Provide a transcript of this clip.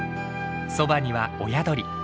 そばには親鳥。